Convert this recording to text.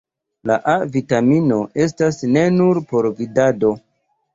La A-vitamino estas ne nur por vidado.